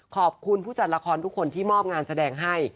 ขอบคุณผู้จัดละครทุกคนที่มอบงานแสดงให้